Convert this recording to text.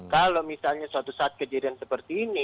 kalau misalnya suatu saat kejadian seperti ini